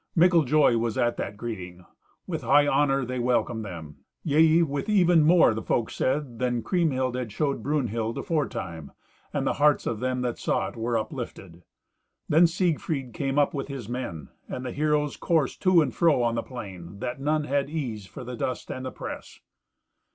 Mickle joy was at that greeting. With high honour they welcomed them, yea, with even more, the folk said, than Kriemhild had showed Brunhild aforetime; and the hearts of them that saw it were uplifted. Then Siegfried came up with his men, and the heroes coursed to and fro on the plain, that none had ease for the dust and the press.